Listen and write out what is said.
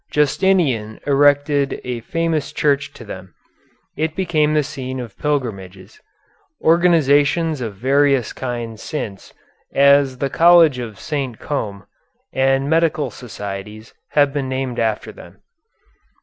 Justinian erected a famous church to them. It became the scene of pilgrimages. Organizations of various kinds since, as the College of St. Come, and medical societies, have been named after them.